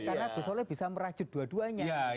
karena gus soleh bisa merajut dua duanya